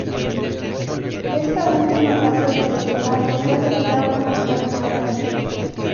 Esta última fase de estofado suele durar unas cuatro horas.